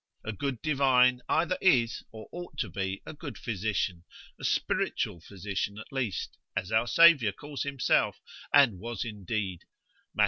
A good divine either is or ought to be a good physician, a spiritual physician at least, as our Saviour calls himself, and was indeed, Mat.